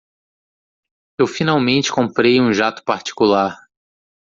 Eu finalmente comprei um jato particular.